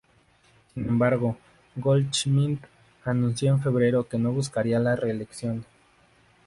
Sin embargo, Goldschmidt anunció en febrero que no buscaría la reelección.